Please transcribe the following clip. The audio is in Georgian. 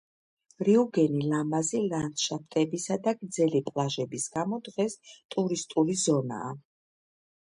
რიუგენი ლამაზი ლანდშაფტებისა და გრძელი პლაჟების გამო, დღეს ტურისტული ზონაა.